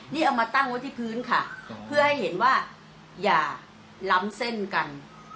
นี่เอามาตั้งไว้ที่พื้นค่ะเพื่อให้เห็นว่าอย่าล้ำเส้นกัน